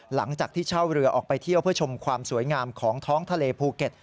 หลังจากที่เช่าเรือออกไปเที่ยวเพื่อชมความสวยงามของท้องทะเลภูเก็ต